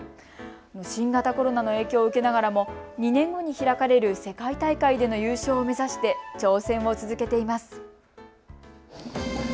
新型コロナの影響を受けながらも２年後に開かれる世界大会での優勝を目指して挑戦を続けています。